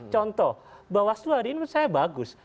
contoh bahwa seluar ini menurut saya bagus